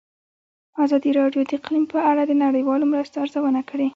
ازادي راډیو د اقلیم په اړه د نړیوالو مرستو ارزونه کړې.